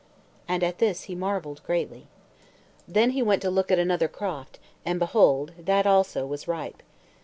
And at this he marvelled greatly. Then he went to look at another croft, and, behold, that also was ripe.